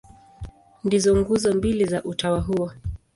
Ndizo nguzo mbili za utawa huo.